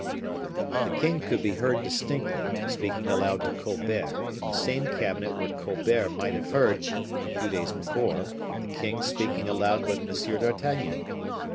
The king could be heard distinctly, speaking aloud to Colbert in the same cabinet where Colbert might have heard, a few days before, the king speaking aloud with M. d'Artagnan.